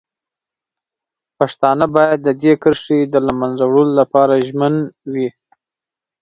پښتانه باید د دې کرښې د له منځه وړلو لپاره ژمن وي.